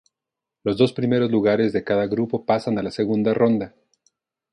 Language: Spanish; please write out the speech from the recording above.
Los dos primeros lugares de cada grupo pasan a segunda ronda.